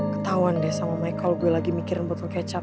ketauan deh sama mereka kalo gue lagi mikirin botol kecap